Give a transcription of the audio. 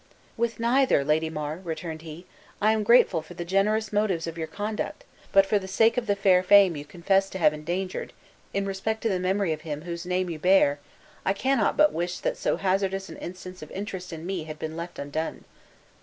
"With neither, Lady Mar," returned he, "I am grateful for the generous motives of your conduct; but for the sake of the fair fame you confess you have endangered, in respect to the memory of him whose name you bear, I cannot but wish that so hazardous an instance of interest in me had been left undone."